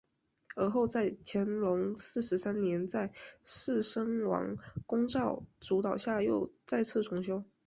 而后在乾隆四十三年在士绅王拱照主导下又再次重修。